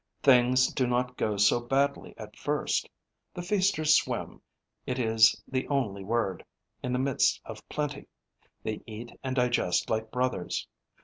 Things do not go so badly at first. The feasters swim it is the only word in the midst of plenty; they eat and digest like brothers.